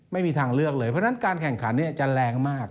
ไม่มีทางเลือกเลยเพราะฉะนั้นการแข่งขันจะแรงมาก